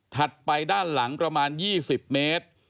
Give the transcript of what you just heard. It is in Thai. ไปด้านหลังประมาณ๒๐เมตร